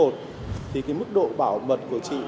thì cái mức độ bảo mật của chị